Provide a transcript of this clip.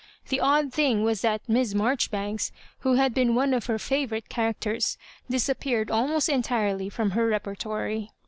The odd thing was that Miss Maijoribanks, who had been one of her fa vourite characters, disappear<»d almost entirely from her repertory.